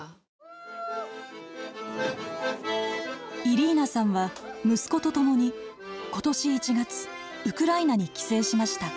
イリーナさんは息子と共に今年１月ウクライナに帰省しました。